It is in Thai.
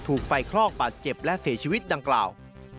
ถูกไฟคลอกบาดเจ็บและเสียชีวิตดังกล่าว